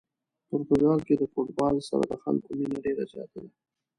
پرتګال کې د فوتبال سره د خلکو مینه ډېره زیاته ده.